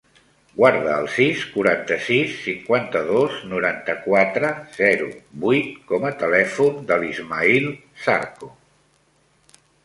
Guarda el sis, quaranta-sis, cinquanta-dos, noranta-quatre, zero, vuit com a telèfon de l'Ismaïl Zarco.